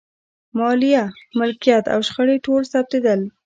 مالیه، ملکیت او شخړې ټول ثبتېدل.